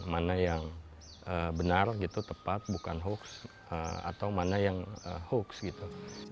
mana yang benar gitu tepat bukan hoax atau mana yang hoax gitu